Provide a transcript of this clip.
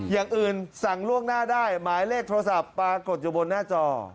อย่างอื่นสั่งล่วงหน้าได้หมายเลขโทรศัพท์ปรากฏอยู่บนหน้าจอ